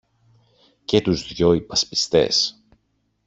και τους δυο υπασπιστές